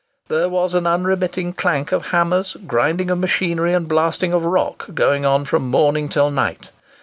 There was an unremitting clank of hammers, grinding of machinery, and blasting of rock, going on from morning till night.